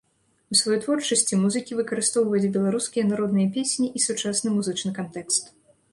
У сваёй творчасці музыкі выкарыстоўваюць беларускія народныя песні і сучасны музычны кантэкст.